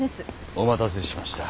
お待たせしました。